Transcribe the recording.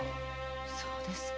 そうですか。